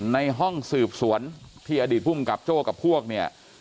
ในห้องสืบสวนที่อดีตภูมิกับโจ้กับพวกเนี่ย